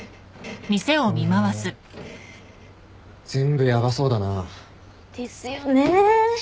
うん全部ヤバそうだな。ですよね。